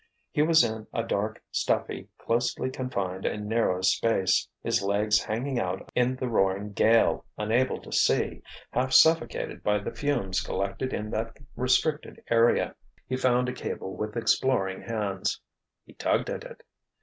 He was in a dark, stuffy, closely confined and narrow space, his legs hanging out in the roaring gale, unable to see, half suffocated by the fumes collected in that restricted area. He found a cable with exploring hands. He tugged at it.